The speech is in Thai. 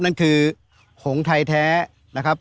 นั่นคือหงไทยแท้นะครับ